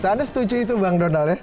anda setuju itu bang donald ya